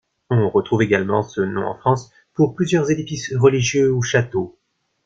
On retrouve également ce nom en France pour plusieurs édifices religieux ou châteaux.